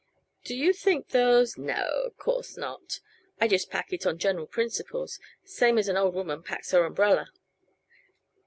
"Do you think those " "Naw. Uh course not. I just pack it on general principles, same as an old woman packs her umbrella."